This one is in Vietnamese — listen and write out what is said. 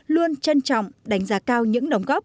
luôn trân trọng đánh giá cao những đóng góp